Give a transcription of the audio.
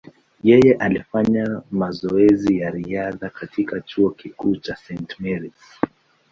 Yeye alifanya mazoezi ya riadha katika chuo kikuu cha St. Mary’s.